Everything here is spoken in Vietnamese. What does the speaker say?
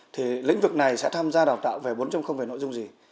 thì lĩnh vực này sẽ tham gia đào tạo về bốn về nội dung gì